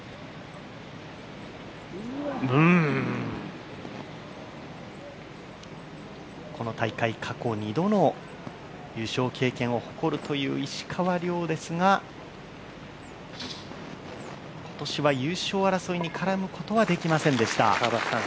うーんこの大会、過去２度の優勝経験を誇るという石川遼ですが今年は優勝争いに絡むことはできませんでした。